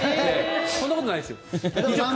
そんなことないですよ。